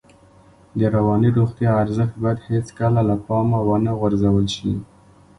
د رواني روغتیا ارزښت باید هېڅکله له پامه ونه غورځول شي.